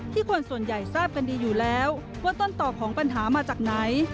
คนส่วนใหญ่ทราบกันดีอยู่แล้วว่าต้นต่อของปัญหามาจากไหน